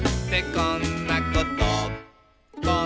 「こんなこと」